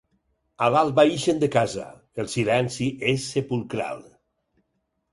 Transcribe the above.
A l'alba ixen de casa: el silenci és sepulcral.